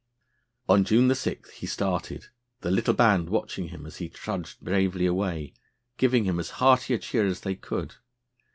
On June 7 he started, the little band watching him as he trudged bravely away, giving him as hearty a cheer as they could.